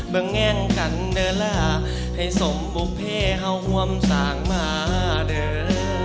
เบอร์แง่งกันเดอร์ล่ะให้สมบุภิเฮาหว่ำส่างมาเดอร์